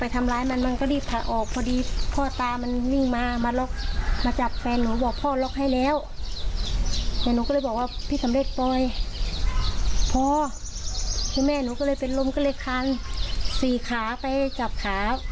ขาาาพี่เคยจับขาาาพ่อพ่อตาเขานะคะ